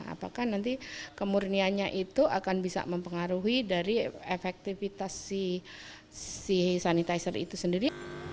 apakah nanti kemurniannya itu akan bisa mempengaruhi dari efektivitas si sanitizer itu sendiri